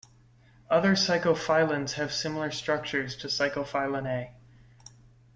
Other cyclophilins have similar structures to cyclophilin A.